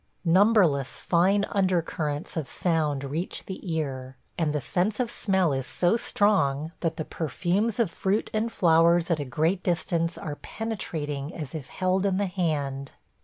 Numberless fine under currents of sound reach the ear, and the sense of smell is so strong that the perfumes of fruit and flowers at a great distance are penetrating as if held in the hand.